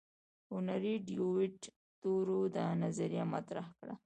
هنري ډیویډ تورو دا نظریه مطرح کړه.